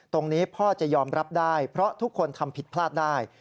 พ่อจะยอมรับได้เพราะทุกคนทำผิดพลาดได้